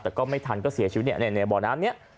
แต่ก็ไม่ทันก็เสียชีวิตในบ่อน้ำนี้